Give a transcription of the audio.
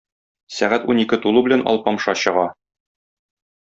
Сәгать унике тулу белән Алпамша чыга.